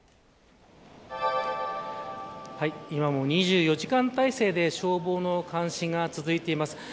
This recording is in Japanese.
今も２４時間体制で消防の監視が続いています。